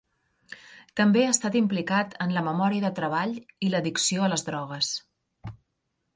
També ha estat implicat en la memòria de treball i l'addicció a les drogues.